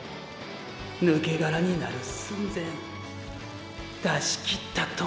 抜け殻になる寸前出し切った時の色。